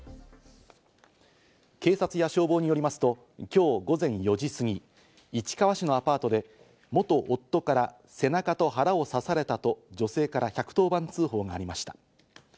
警察や消防によりますと、今日午前４時すぎ、市川市のアパートで元夫から背中と腹を刺されたと女性から１１０番通報がありました。